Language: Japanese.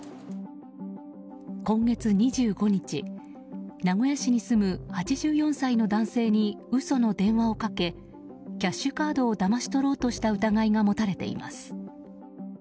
今月２５日名古屋市に住む８４歳の男性に嘘の電話をかけキャッシュカードをだまし取ろうとした疑いが持たれています。